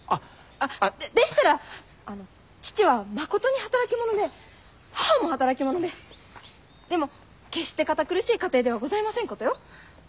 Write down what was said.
あでしたらあの父はまことに働き者で母も働き者ででも決して堅苦しい家庭ではございませんことよ。